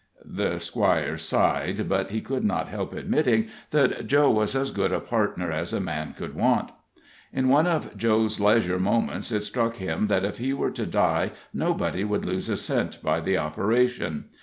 The Squire sighed, but he could not help admitting that Joe was as good a partner as a man could want. In one of Joe's leisure moments it struck him that if he were to die, nobody would lose a cent by the operation.